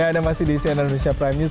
ya ada masih di siena indonesia prime news